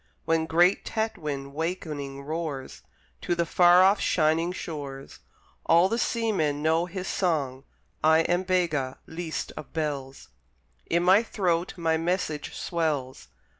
When great Tatwin wakening roars To the far off shining shores, All the seamen know his song. I am Bega, least of bells; In my throat my message swells.